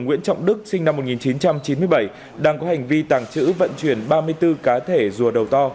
nguyễn trọng đức sinh năm một nghìn chín trăm chín mươi bảy đang có hành vi tàng trữ vận chuyển ba mươi bốn cá thể rùa đầu to